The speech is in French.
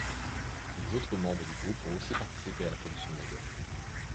Les autres membres du groupe ont aussi participé à la production de l'album.